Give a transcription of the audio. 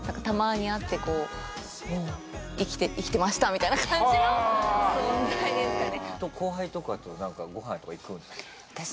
みたいな感じの存在でしたね。